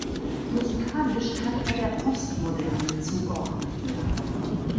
Musikalisch kann er der Postmoderne zugeordnet werden.